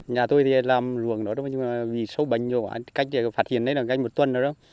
nhà tôi làm ruộng đó nhưng vì sâu bệnh cách phát hiện đấy là gánh một tuần rồi đó